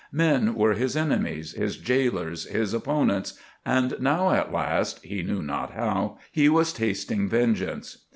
Men were his enemies, his gaolers, his opponents, and now at last—he knew not how—he was tasting vengeance.